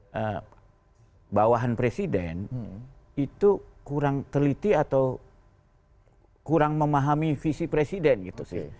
bahwa bahwa bahan presiden itu kurang teliti atau kurang memahami visi presiden gitu sih